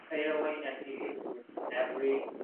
Demak, Ko‘liodina – «shaffof, tiniq suvli ko‘l» ma’nosidadir.